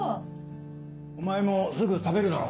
お前もすぐ食べるだろ？